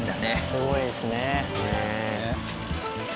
すごいですね。